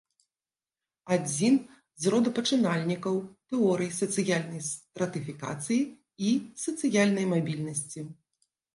Адзін з родапачынальнікаў тэорый сацыяльнай стратыфікацыі і сацыяльнай мабільнасці.